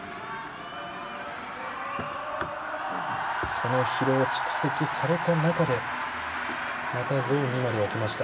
その疲労蓄積された中でまたゾーン２まではきました。